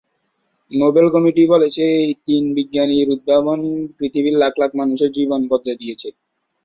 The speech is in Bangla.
নোবেল কমিটি বলেছে, এই তিন বিজ্ঞানীর উদ্ভাবন পৃথিবীর লাখ লাখ মানুষের জীবন বদলে দিয়েছে।